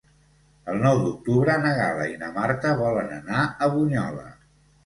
El nou d'octubre na Gal·la i na Marta volen anar a Bunyola.